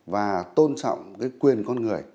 và tôn trọng quyền con người